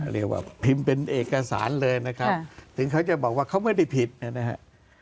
เรียกว่าพิมพ์เป็นเอกสารเลยนะครับถึงเขาจะบอกว่าเขาไม่ได้ผิดนะครับ